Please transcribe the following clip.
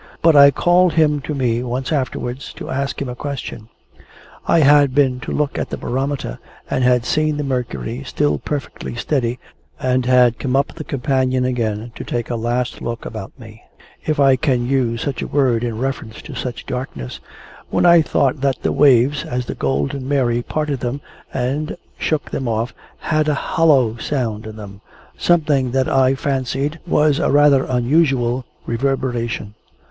But I called him to me once afterwards, to ask him a question. I had been to look at the barometer, and had seen the mercury still perfectly steady, and had come up the companion again to take a last look about me if I can use such a word in reference to such darkness when I thought that the waves, as the Golden Mary parted them and shook them off, had a hollow sound in them; something that I fancied was a rather unusual reverberation.